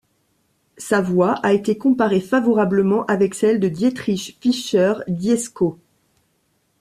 Sa voix a été comparée favorablement avec celle de Dietrich Fischer-Dieskau.